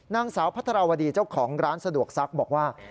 นางสาวพัทรวดีเจ้าของร้านสะดวกซักบอกว่า